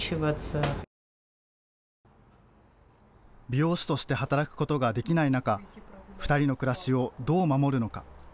美容師として働くことができない中、２人の暮らしをどう守るのか。